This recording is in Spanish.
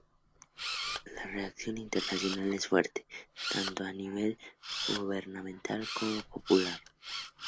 La reacción internacional es fuerte, tanto a nivel gubernamental como popular.